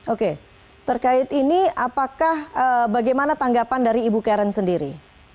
oke terkait ini apakah bagaimana tanggapan dari ibu karen sendiri